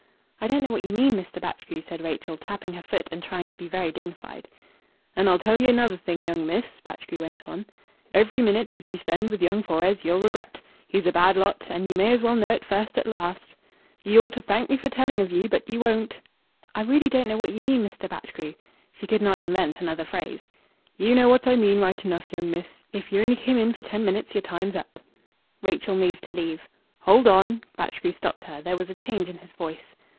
"I don't know what you mean, Mr. Batchgrew," said Rachel, tapping her foot and trying to be very dignified. "And I'll tell ye another thing, young miss," Batchgrew went on. "Every minute as ye spend with young Fores ye'll regret. He's a bad lot, and ye may as well know it first as last. Ye ought to thank me for telling of ye, but ye won't." "I really don't know what you mean, Mr. Batchgrew!" She could not invent another phrase. "Ye know what I mean right enough, young miss!... If ye only came in for ten minutes yer time's up." Rachel moved to leave. "Hold on!" Batchgrew stopped her. There was a change in his voice.